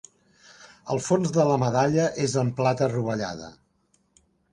El fons de la medalla és en plata rovellada.